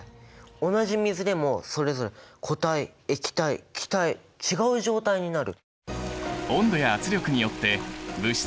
同じ水でもそれぞれ固体液体気体違う状態になる。